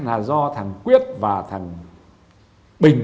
là do thằng quyết và thằng bình